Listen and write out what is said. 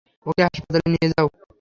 ওকে হাসপাতালে নিয়ে যাও।